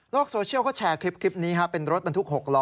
โลกโซเชียลก็แชร์คลิปนี้ค่ะเป็นรถบรรทุก๖ล้อ